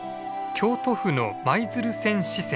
京都府の舞鶴線支線。